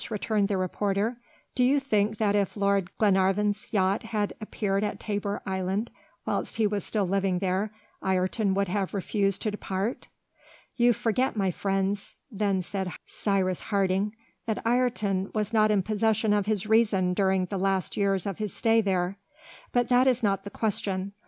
returned the reporter; "do you think that if Lord Glenarvan's yacht had appeared at Tabor Island, whilst he was still living there, Ayrton would have refused to depart?" "You forget, my friends," then said Cyrus Harding, "that Ayrton was not in possession of his reason during the last years of his stay there. But that is not the question.